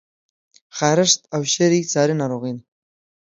خارښت او شری څاری ناروغی دي؟